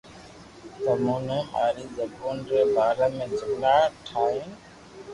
تموني نو ماري زبون ري بارا ۾ جملا ٺائين